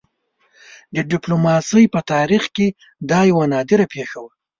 د ډيپلوماسۍ په تاریخ کې دا یوه نادره پېښه وه.